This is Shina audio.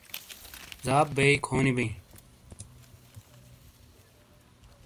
زاب بئے کھونی بئے